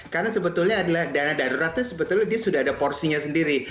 karena sebetulnya adalah dana darurat itu sebetulnya dia sudah ada porsinya sendiri